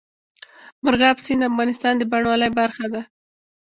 مورغاب سیند د افغانستان د بڼوالۍ برخه ده.